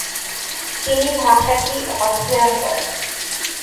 তিনি ভাষাটি অধ্যয়ন করেন।